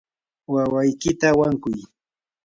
wawaykita wankuy.